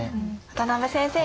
渡辺先生